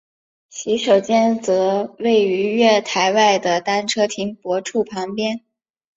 洗手间则位于月台外的单车停泊处旁边。